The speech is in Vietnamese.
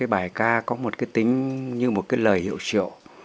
bài ca có một cái tính như một cái lời hiệu triệu